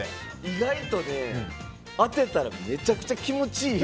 意外と、当てたらめちゃくちゃ気持ちいい。